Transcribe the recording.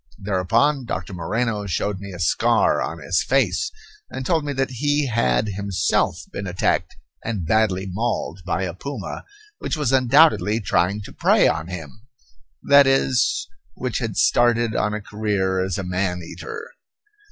Thereupon Doctor Moreno showed me a scar on his face, and told me that he had himself been attacked and badly mauled by a puma which was undoubtedly trying to prey on him; that is, which had started on a career as a man eater.